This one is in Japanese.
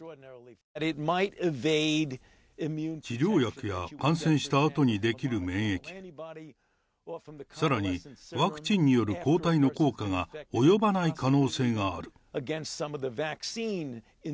治療薬や感染したあとに出来る免疫、さらに、ワクチンによる抗体の効果が及ばない可能性がある。